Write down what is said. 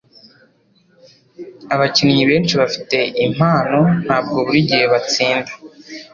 Abakinnyi benshi bafite impano ntabwo buri gihe batsinda.